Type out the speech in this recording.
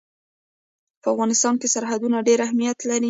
په افغانستان کې سرحدونه ډېر اهمیت لري.